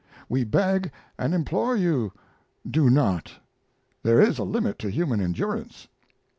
We beg and implore you do not. There is a limit to human endurance.